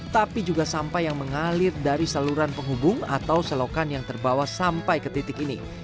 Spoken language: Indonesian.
tapi juga sampah yang mengalir dari saluran penghubung atau selokan yang terbawa sampai ke titik ini